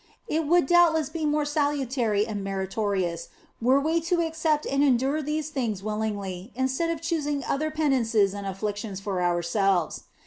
It would doubtless be more salutary and meritorious were we to accept and endure these things willingly instead of choosing other penances and afflictions for ourselves.